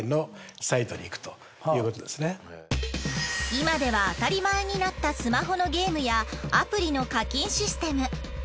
今では当たり前になったスマホのゲームやアプリの課金システム。